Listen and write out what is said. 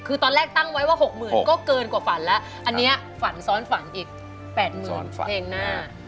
คือตอนแรกตั้งไว้ว่า๖๐๐๐ก็เกินกว่าฝันแล้วอันนี้ฝันซ้อนฝันอีก๘๐๐๐เพลงหน้า